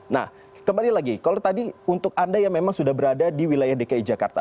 nah kembali lagi kalau tadi untuk anda yang memang sudah berada di wilayah dki jakarta